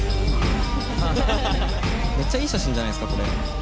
めっちゃいい写真じゃないですかこれ。